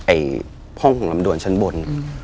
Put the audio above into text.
ห้องของลำดวนชั้นบน